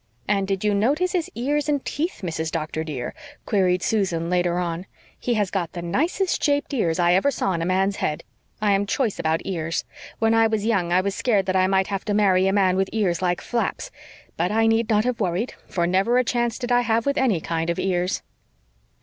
"And did you notice his ears and his teeth, Mrs. Doctor, dear?" queried Susan later on. "He has got the nicest shaped ears I ever saw on a man's head. I am choice about ears. When I was young I was scared that I might have to marry a man with ears like flaps. But I need not have worried, for never a chance did I have with any kind of ears."